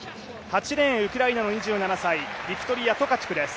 ８レーン、ウクライナの２７歳、ビクトリヤ・トカチュクです。